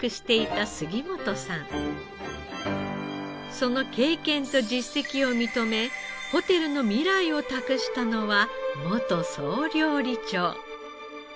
その経験と実績を認めホテルの未来を託したのは元総料理長。